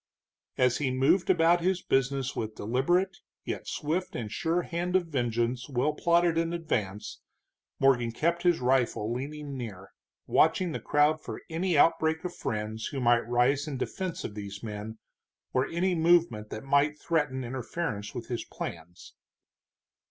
As he moved about his business with deliberate, yet swift and sure hand of vengeance well plotted in advance, Morgan kept his rifle leaning near, watching the crowd for any outbreak of friends who might rise in defense of these men, or any movement that might threaten interference with his plans.